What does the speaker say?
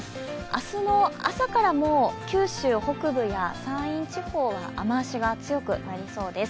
明日の朝から九州北部や山陰地方は雨足が強くなりそうです。